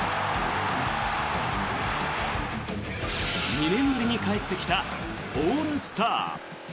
２年ぶりに帰ってきたオールスター。